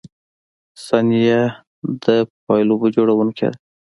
• ثانیه د پایلو جوړونکی ده.